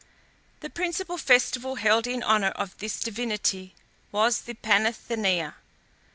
The principal festival held in honour of this divinity was the Panathenæa.